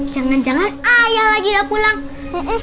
jangan jangan ayah lagi udah pulang kita lihat yuk